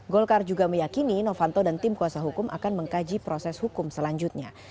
golkar juga meyakini novanto dan tim kuasa hukum akan mengkaji proses hukum selanjutnya